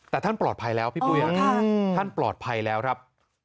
แต่ท่านปลอดภัยแล้วพี่ปุ้ยท่านปลอดภัยแล้วครับ